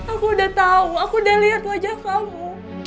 aku udah tahu aku udah lihat wajah kamu